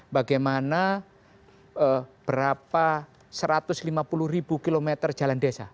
bagaimana berapa satu ratus lima puluh ribu kilometer jalan desa